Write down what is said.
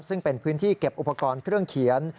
ซึ่งเป็นพื้นที่เก็บอุปกรณ์เครื่องเขียน